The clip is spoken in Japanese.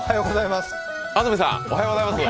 安住さん、おはようございます。